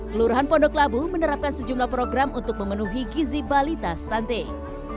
kelurahan pondok labu menerapkan sejumlah program untuk memenuhi gizi balita stunting